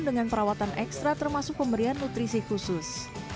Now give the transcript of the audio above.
dengan perawatan ekstra termasuk pemberian nutrisi khusus